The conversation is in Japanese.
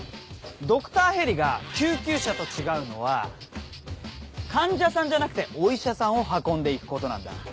ドクターヘリが救急車と違うのは患者さんじゃなくてお医者さんを運んでいくことなんだ。